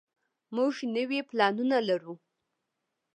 موږ نوي پلانونه لرو.